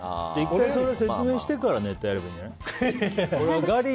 それを説明してからネタをやればいいんじゃない？